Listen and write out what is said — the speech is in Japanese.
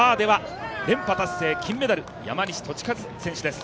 連覇達成、金メダル山西利和選手です！